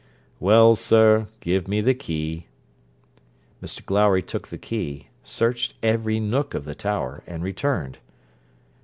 'Well, sir, give me the key.' Mr Glowry took the key, searched every nook of the tower, and returned.